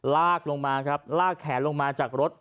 ลากลงมาครับลากแขนลงมาจากรถ